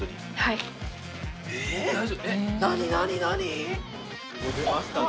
何何何？